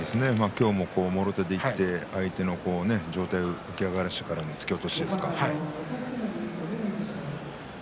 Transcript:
今日ももろ手でいって相手の上体を浮き上がらせてからの突き落としですか。